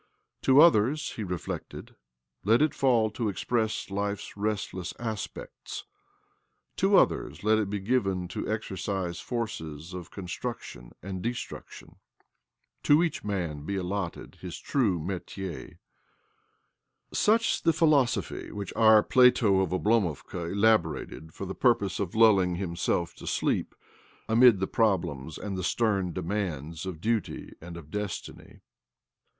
To others, he reflected, let it fall to express life's restless aspects ; to_jothers^ let it be given to exercise forces of construction and destruction ; to each man be allotted his true metier. ~5ucir the philosophy which our Plato of Oblomovka elaborated for the purpose of lulling himself to sleep amid the problems and the stern demands of duty and of destiny.